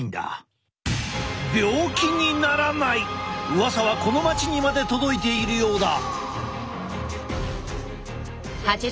うわさはこの町にまで届いているようだ。